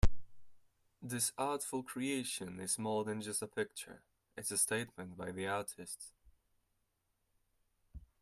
This artful creation is more than just a picture, it's a statement by the artist.